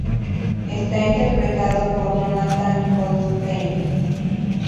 Está interpretado por Jonathan Goldstein.